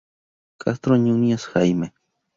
Castro Núñez, Jaime.